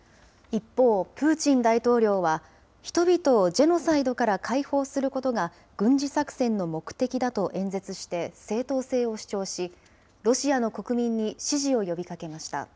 一方、プーチン大統領は、人々をジェノサイドから解放することが、軍事作戦の問題だと演説して正当性を主張し、ロシアの国民に支持を呼びかけました。